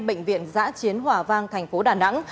bệnh viện giã chiến hòa vang thành phố đà nẵng